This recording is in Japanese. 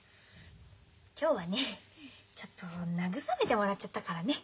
今日はねちょっと慰めてもらっちゃったからね。